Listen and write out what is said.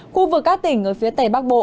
khu vực các tỉnh ở phía tầy bắc bộ